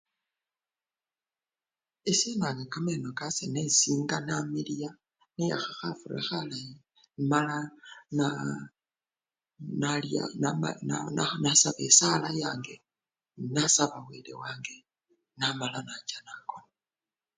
Isyenanga kameno kase nesinga namiliya, neyakha khafura khalayi mala na! nalya! nasa! nasaba esala yange nasaba wele wange namala nacha nakona.